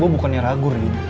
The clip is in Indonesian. gue bukannya ragu reni